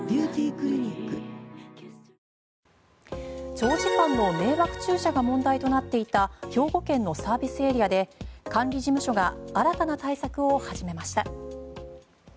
長時間の迷惑駐車が問題となっていた兵庫県のサービスエリアで管理事務所が新たな対策を始めました。